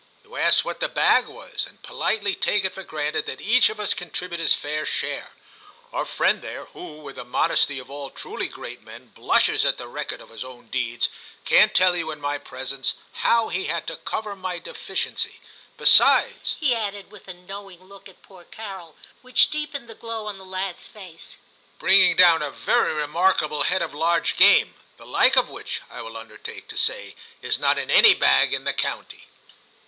You ask what the bag was, and politely take it for granted that each of us contributed his fair share. Our friend there, who, with the modesty of all truly great men, blushes at the record of his own deeds, can't tell you in my presence how he had to cover my deficien cies; besides,' he added, with a knowing look at poor Carol, which deepened the glow on the lad's face, 'bringing down a very remarkable head of large game, the like of which, I will undertake to say, is not in any bag in the county.'